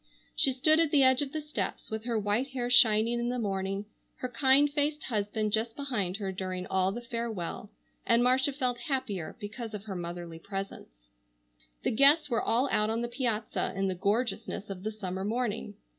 She stood at the edge of the steps, with her white hair shining in the morning, her kind faced husband just behind her during all the farewell, and Marcia felt happier because of her motherly presence. The guests were all out on the piazza in the gorgeousness of the summer morning.